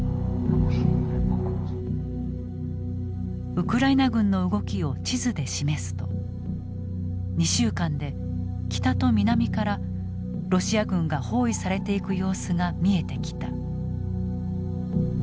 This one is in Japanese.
ウクライナ軍の動きを地図で示すと２週間で北と南からロシア軍が包囲されていく様子が見えてきた。